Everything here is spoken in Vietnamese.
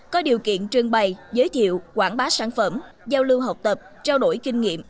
có điều kiện trưng bày giới thiệu quảng bá sản phẩm giao lưu học tập trao đổi kinh nghiệm